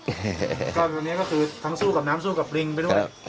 ตอนนี้คือทั้งสู้กับน้ำสู้จะต้องสู้กับปิ่มด้วย